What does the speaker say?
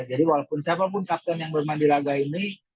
jadi walaupun siapa pun kapten yang bermain di laga ini